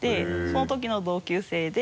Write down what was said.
その時の同級生で。